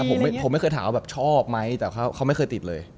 ไม่รู้เขาชอบไหมนะผมไม่เคยถามว่าแบบชอบไหมแต่เขาไม่เคยติดเลย